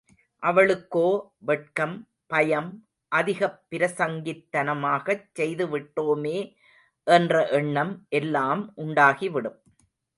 அவளுக்கோ வெட்கம், பயம், அதிகப் பிரசங்கித்தனமாகச் செய்து விட்டோமே என்ற எண்ணம் எல்லாம் உண்டாகிவிடும்.